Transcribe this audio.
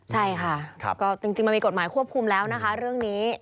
ใช่ค่ะก็จริงมันมีกฎหมายควบคุมแล้วนะคะเรื่องนี้